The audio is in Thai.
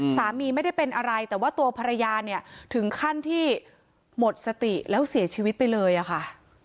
สามีไม่ได้เป็นอะไรแต่ว่าตัวภรรยาเนี่ยถึงขั้นที่หมดสติแล้วเสียชีวิตไปเลยอะค่ะ